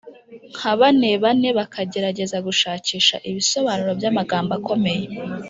nka banebane bakagerageza gushakisha ibisobanuro by’amagambo akomeye